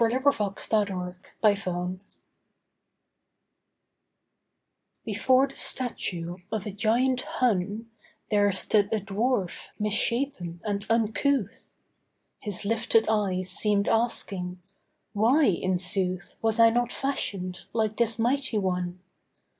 IN AN OLD ART GALLERY Before the statue of a giant Hun, There stood a dwarf, misshapen and uncouth. His lifted eyes seemed asking: 'Why, in sooth, Was I not fashioned like this mighty one?